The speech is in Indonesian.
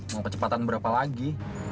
mau kecepatan berapa lagi